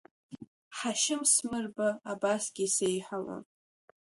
Ҳашьым Смырба абасгьы сеиҳәалон…